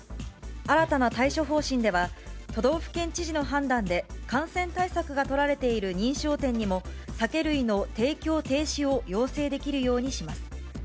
新たな対処方針では、都道府県知事の判断で、感染対策が取られている認証店にも、酒類の提供停止を要請できるようにします。